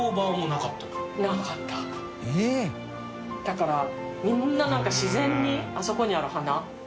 だからみんな自然にあそこにある花。